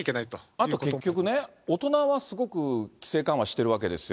あと結局ね、大人はすごく規制緩和してるわけですよ。